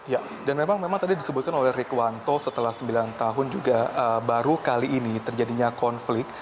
ya dan memang tadi disebutkan oleh rikuwanto setelah sembilan tahun juga baru kali ini terjadinya konflik